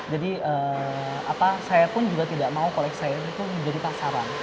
jadi saya pun juga tidak mau koleksi saya itu menjadi pasaran